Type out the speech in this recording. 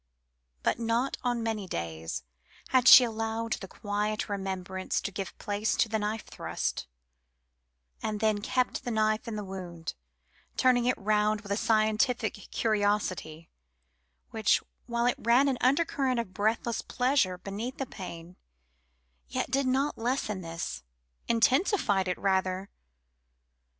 But not on many days had she allowed the quiet remembrance to give place to the knife thrust, and then kept the knife in the wound, turning it round with a scientific curiosity, which, while it ran an undercurrent of breathless pleasure beneath the pain, yet did not lessen this intensified it, rather.